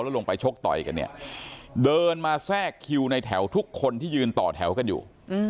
แล้วลงไปชกต่อยกันเนี่ยเดินมาแทรกคิวในแถวทุกคนที่ยืนต่อแถวกันอยู่